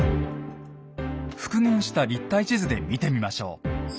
復元した立体地図で見てみましょう。